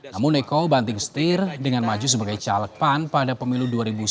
namun eko banting setir dengan maju sebagai caleg pan pada pemilu dua ribu sembilan belas